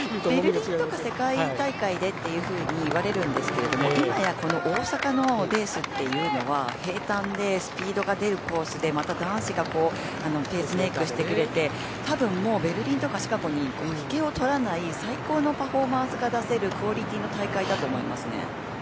ベルリンとか世界大会でっていわれるんですけれども今やこの大阪のレースというのは平坦でスピードが出るコースでまた男子がペースメークしてくれてたぶんもうベルリンとかシカゴに引けを取らない最高のパフォーマンスが出せるクオリティーの大会だと思いますね。